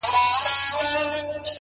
موږه كرلي دي اشنا دشاعر پښو ته زړونه-